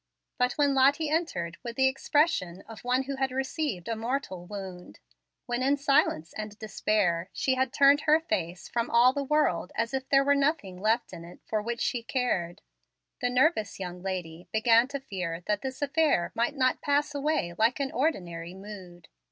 But when Lottie entered, with the expression of one who had received a mortal wound, when in silence and despair she had turned her face from all the world as if there were nothing left in it for which she cared, the nervous young lady began to fear that this affair might not pass away like an ordinary "mood."